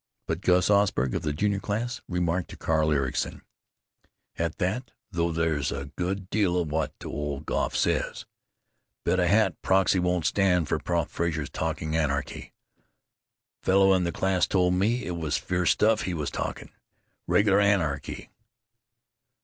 But Gus Osberg, of the junior class, remarked to Carl Ericson: "At that, though, there's a good deal to what old Goff says. Bet a hat Prexy won't stand for Prof Frazer's talking anarchy. Fellow in the class told me it was fierce stuff he was talking. Reg'lar anarchy."